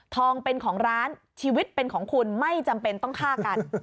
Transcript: ทองเป็นของร้านชีวิตเป็นของคุณไม่จำเป็นต้องฆ่ากัน